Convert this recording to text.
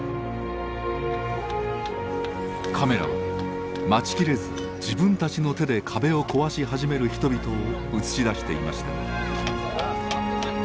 カメラは待ちきれず自分たちの手で壁を壊し始める人々を映し出していました。